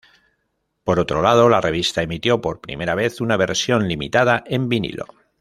Por otro lado, la revista emitió por primera vez una versión limitada en vinilo.